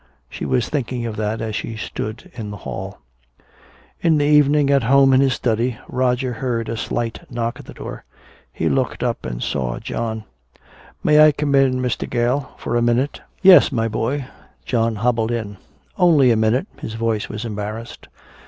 She was thinking of that as she stood in the hall. In the evening, at home in his study, Roger heard a slight knock at the door. He looked up and saw John. "May I come in, Mr. Gale, for a minute?" "Yes, my boy." John hobbled in. "Only a minute." His voice was embarrassed.